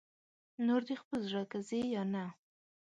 نور دې خپل زړه که ځې یا نه